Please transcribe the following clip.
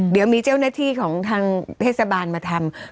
เดี๋ยวมีเจ้าหน้าที่ของทางเทศบาลมาทำ